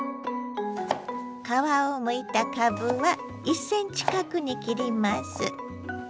皮をむいたかぶは１ｃｍ角に切ります。